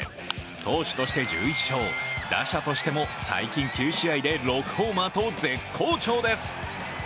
投手として１１勝、打者としても最近９試合で６ホーマーと絶好調です。